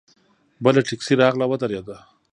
بله ټیکسي راغله ودرېده.